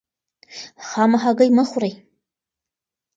خامه هګۍ مه خورئ.